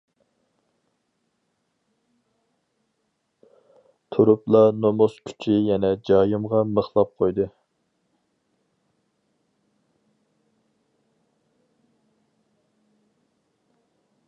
تۇرۇپلا نومۇس كۈچى يەنە جايىمغا مىخلاپ قويدى.